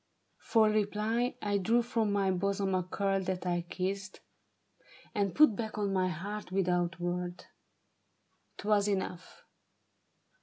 For reply I drew from my bosom a curl that I kissed. And put back on my heart without word. 'Twas enough.